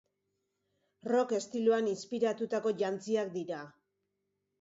Rock estiloan inspiratutako jantziak dira.